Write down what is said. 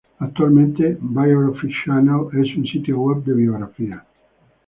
Actualmente, Biography Channel es un sitio web de biografías.